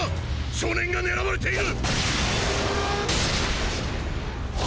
少年が狙われている！